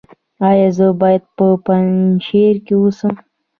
ایا زه باید په پنجشیر کې اوسم؟